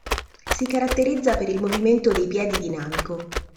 Si caratterizza per il movimento dei piedi dinamico.